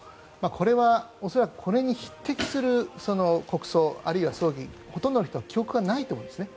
これは恐らくこれに匹敵する国葬あるいは葬儀ほとんどの人は記憶にないと思いますね。